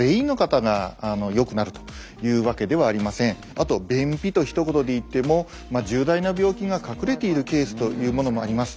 あと便秘とひと言で言っても重大な病気が隠れているケースというものもあります。